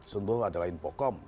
tentu adalah infocom